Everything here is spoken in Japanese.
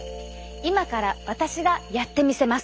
今から私がやってみせます。